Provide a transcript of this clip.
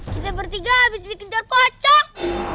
kita bertiga habis dikenjar pocong